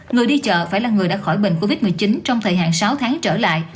người đi chợ phải là người đã khỏi bệnh covid một mươi chín trong thời hạn sáu tháng trở lại